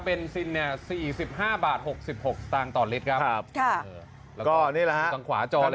เบนซิน๔๕บาท๖๖สตางค์ต่อลิตรครับ